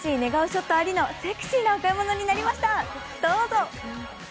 ショットありのセクシーなお買い物になりました。